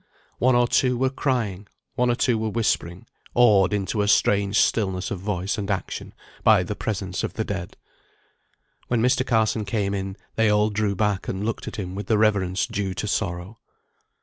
_ One or two were crying; one or two were whispering; awed into a strange stillness of voice and action by the presence of the dead. When Mr. Carson came in they all drew back and looked at him with the reverence due to sorrow.